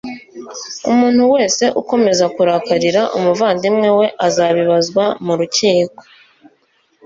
umuntu wese ukomeza kurakarira umuvandimwe we azabibazwa mu rukiko